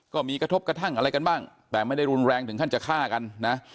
ก็มีกระทบกระทั่งอะไรกันบ้างแต่ไม่ได้รุนแรงถึงขั้นจะฆ่ากันนะ